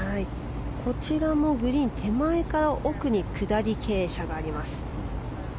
こちらもグリーン手前から奥に下り傾斜があります。